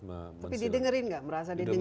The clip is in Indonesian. tapi didengerin gak